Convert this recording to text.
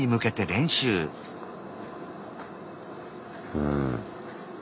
うん。